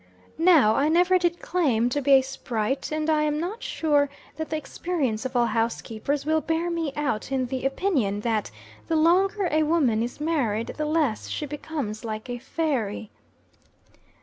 Now, I never did claim to be a sprite; and I am not sure that the experience of all housekeepers will bear me out in the opinion that the longer a woman is married, the less she becomes like a fairy.